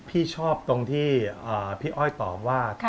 พี่ชอบตรงที่พี่อ้อยตอบว่า